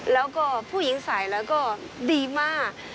แล้วก็ผู้หญิงใส่แล้วก็ดีมาก